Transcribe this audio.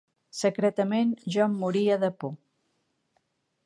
Secretament, jo em moria de por.